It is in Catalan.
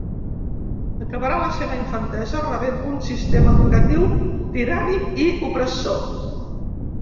Acabarà la seva infantesa rebent un sistema educatiu tirànic i opressor.